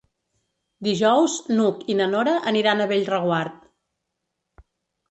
Dijous n'Hug i na Nora aniran a Bellreguard.